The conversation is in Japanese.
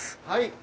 はい。